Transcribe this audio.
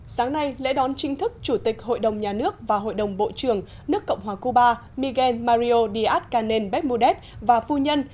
sáng nay lễ đón chính thức chủ tịch hội đồng nhà nước và hội đồng bộ trưởng nước cộng hòa cuba miguel mario díaz canel becmudez và phu nhân